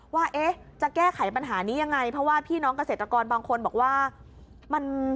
ว่าจะแก้ไขปัญหานี้ยังไงเพราะว่าพี่น้องเกษตรกรบางคนบอกว่ามัน